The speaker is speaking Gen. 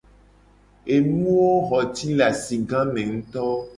Enuwo xo ci le asigame ngto.